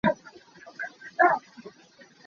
Nungak nu cu ṭhudan ah a ṭhu.